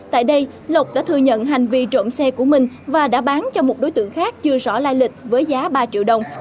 tại đây lộc đã thừa nhận hành vi trộm xe của mình và đã bán cho một đối tượng khác chưa rõ lai lịch với giá ba triệu đồng